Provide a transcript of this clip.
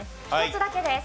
１つだけです。